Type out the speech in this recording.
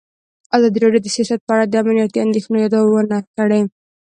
ازادي راډیو د سیاست په اړه د امنیتي اندېښنو یادونه کړې.